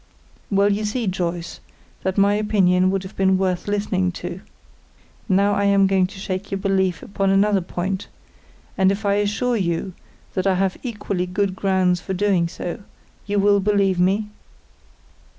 "Well, you see, Joyce, that my opinion would have been worth listening to. Now I am going to shake your belief upon another point, and if I assure you that I have equally good grounds for doing so, you will believe me?"